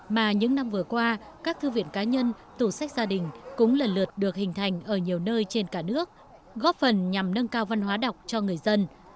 mà những năm vừa qua các thư viện cá nhân tủ sách gia đình cũng lần lượt được hình thành ở nhiều nơi trên cả nước góp phần nhằm nâng cao văn hóa đọc cho người dân